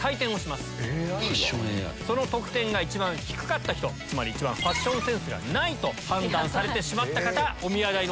その得点が一番低かった人つまり一番ファッションセンスがないと判断されてしまった方。